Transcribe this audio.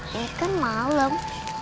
ini kan malem